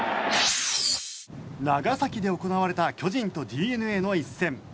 長崎で行われた巨人とＤｅＮＡの一戦。